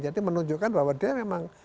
jadi menunjukkan bahwa dia memang